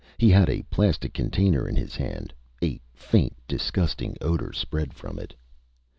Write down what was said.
He had a plastic container in his hand. A faint, disgusting odor spread from it.